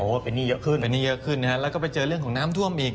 โอ้เป็นนี่เยอะขึ้นนะครับแล้วก็ไปเจอเรื่องของน้ำท่วมอีก